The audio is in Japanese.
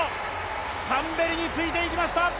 タンベリに続いていきました。